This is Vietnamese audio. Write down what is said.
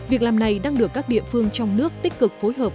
việc làm này đang được các địa phương trong nước tích cực phối hợp